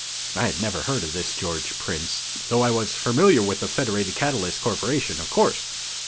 I had never heard of this George Prince, though I was familiar with the Federated Catalyst Corporation, of course.